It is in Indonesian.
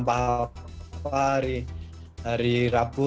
apa hari rabu kayak hari selasa